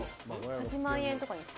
８万円とかですか？